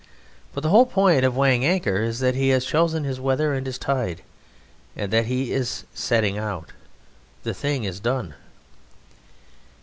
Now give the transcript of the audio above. But the whole point of weighing anchor is that he has chosen his weather and his tide, and that he is setting out. The thing is done.